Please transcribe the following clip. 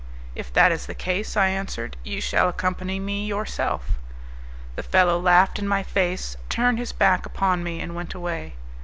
"If that is the case," I answered, "you shall accompany me yourself." The fellow laughed in my face, turned his back upon me, and went away.